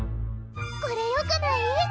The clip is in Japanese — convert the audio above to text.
これよくない？